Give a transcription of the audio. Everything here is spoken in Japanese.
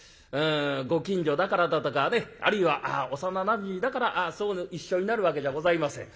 ご近所だからだとかねあるいは幼なじみだから一緒になるわけじゃございません。